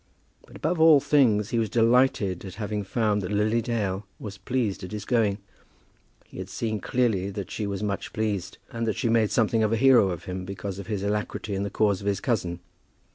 But above all things he was delighted at having found that Lily Dale was pleased at his going. He had seen clearly that she was much pleased, and that she made something of a hero of him because of his alacrity in the cause of his cousin.